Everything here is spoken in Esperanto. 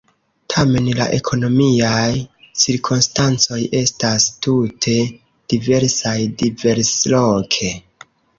Tamen la ekonomiaj cirkonstancoj estas tute diversaj diversloke.